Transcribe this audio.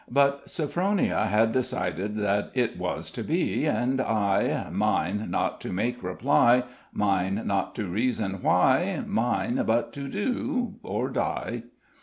But Sophronia had decided that it was to be and I, "Mine not to make reply; Mine not to reason why; Mine but to do or die."